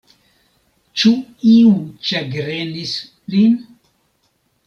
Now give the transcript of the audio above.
Ĉu iu ĉagrenis lin?